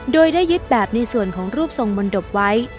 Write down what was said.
โดยได้ยึดแบบในส่วนของรูปทรงมนตบไว้